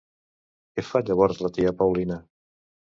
Què fa llavors la tia Paulina?